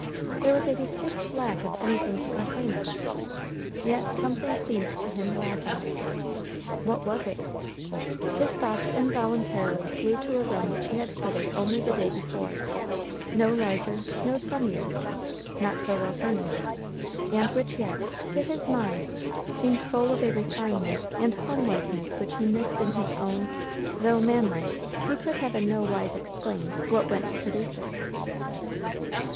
There was a distinct lack of anything to complain of, yet something seemed to him lacking. What was it? His thoughts involuntarily flew to a room which he had quitted only the day before, no larger, no sunnier, not so well furnished, and which yet, to his mind, seemed full of a refinement and homelikeness which he missed in his own, though, man like, he could have in no wise explained what went to produce it.